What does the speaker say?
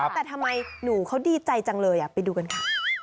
แต่ทำไมหนูเขาดีใจจังเลยไปดูกันค่ะ